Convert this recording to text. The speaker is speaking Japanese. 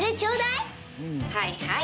はいはい！